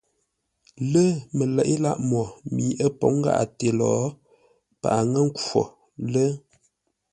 Lə̂ məleʼé lâʼ mwo mi ə́ pǒŋ gháʼate lo, paghʼə ŋə̂ nkhwo lə́.